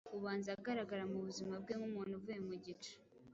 ubanza agaragara mubuzima bwe Nkumuntu uvuye mu gicu